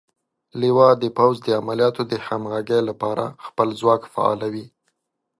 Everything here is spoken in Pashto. لوا د پوځ د عملیاتو د همغږۍ لپاره خپل ځواک فعالوي.